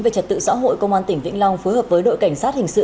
về trật tự xã hội công an tỉnh vĩnh long phối hợp với đội cảnh sát hình sự